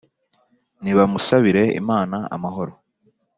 Nibamusabire Imana amahoro